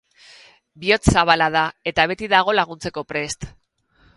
Bihotz zabala da, eta beti dago laguntzeko prest.